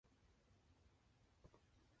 But it was all horrible.